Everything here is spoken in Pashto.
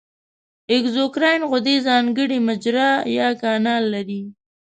اګزوکراین غدې ځانګړې مجرا یا کانال لري.